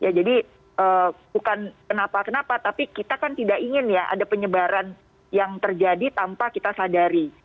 ya jadi bukan kenapa kenapa tapi kita kan tidak ingin ya ada penyebaran yang terjadi tanpa kita sadari